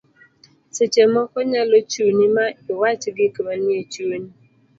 seche moko nyalo chuni ma iwach gik manie chunyi